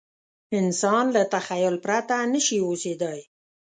انسان له تخیل پرته نه شي اوسېدای.